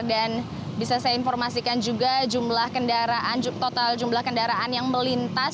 dan bisa saya informasikan juga jumlah kendaraan total jumlah kendaraan yang melintas